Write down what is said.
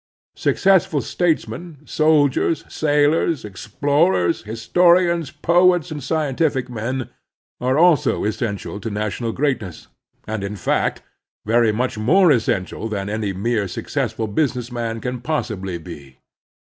Successful statesmen, soldiers, sailors, explorers, historians, poets, and scientific men are also essen tial to national greatness, and, in fact, very much more essential than any mere successful business man can possibly be.